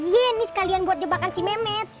ye ini sekalian buat jebakan si memet